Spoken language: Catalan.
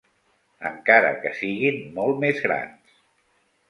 Encara que siguin molt més grans.